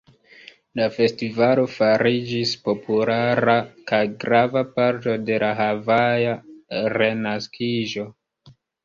La festivalo fariĝis populara kaj grava parto de la havaja renaskiĝo.